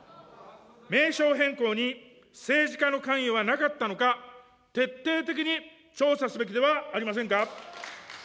名称変更に、政治家の関与はなかったのか、徹底的に調査すべきではありませんか。